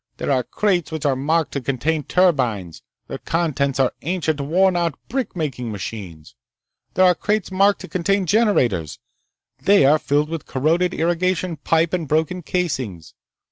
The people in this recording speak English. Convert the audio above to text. "There are crates which are marked to contain turbines. Their contents are ancient, worn out brick making machines. There are crates marked to contain generators. They are filled with corroded irrigation pipe and broken castings.